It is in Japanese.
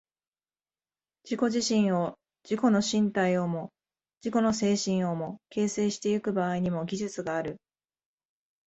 自己自身を、自己の身体をも自己の精神をも、形成してゆく場合にも、技術がある。